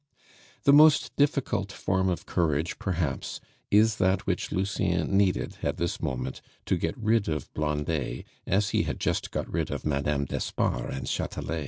The most difficult form of courage, perhaps, is that which Lucien needed at this moment to get rid of Blondet as he had just got rid of Madame d'Espard and Chatelet.